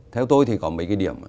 theo tôi thì có mấy cái điểm